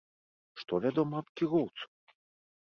Што вядома аб кіроўцу?